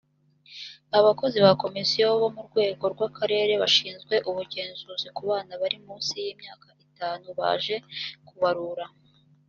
abakozi ba komisiyo bo mu rwego rwa karere bashizwe ubugenzuzi kubana bari munsi y’ imyaka itanu baje ku barura